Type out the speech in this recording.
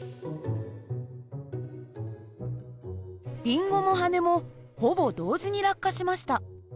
リンゴも羽根もほぼ同時に落下しました。